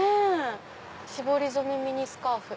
「絞り染めミニスカーフ。